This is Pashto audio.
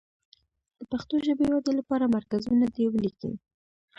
د پښتو ژبې ودې لپاره مرکزونه دې ولیکي.